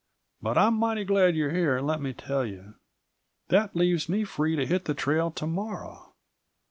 But I'm mighty glad you're here, let me tell you. That leaves me free to hit the trail to morrow.